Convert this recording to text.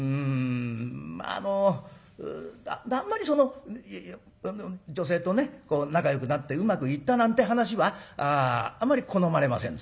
まああのあんまりその女性とね仲よくなってうまくいったなんて話はあまり好まれませんですな。